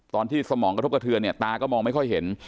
ตอนที่สมองกระทบกระเทือนเนี่ยตาก็มองไม่ค่อยเห็น